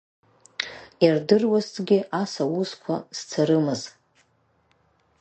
Ирдыруазҭгьы ас аусқәа зцарымыз.